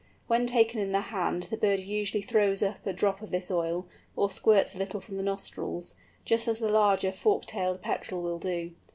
When taken in the hand the bird usually throws up a drop of this oil, or squirts a little from the nostrils, just as the larger Fork tailed Petrel will do.